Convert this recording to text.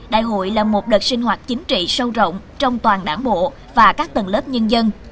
đại hội là một đợt sinh hoạt chính trị sâu rộng trong toàn đảng bộ và các tầng lớp nhân dân